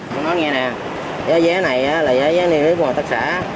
con nói nghe nè giá vé này là giá niêm yết của ngôi thất xã